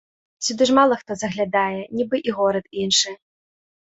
Сюды ж мала хто заглядае, нібы і горад іншы.